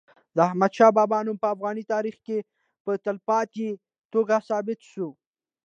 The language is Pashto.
د احمد شاه بابا نوم په افغان تاریخ کي په تلپاتې توګه ثبت سوی.